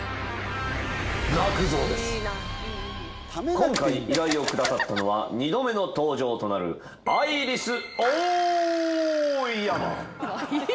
今回依頼をくださったのは２度目の登場となるアイリスオーヤマ。